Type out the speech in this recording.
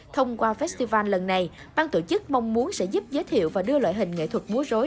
thông qua festival lần này bang tổ chức mong muốn sẽ giúp giới thiệu và đưa loại hình nghệ thuật múa rối